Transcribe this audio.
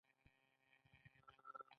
ایا زه باید ذکر وکړم؟